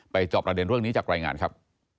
จอบประเด็นเรื่องนี้จากรายงานครับ